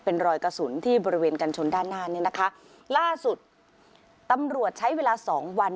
เป็นรอยกระสุนที่บริเวณกันชนด้านหน้าเนี่ยนะคะล่าสุดตำรวจใช้เวลาสองวัน